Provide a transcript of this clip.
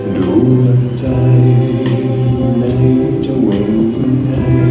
ดวงใจในเฉวงไหน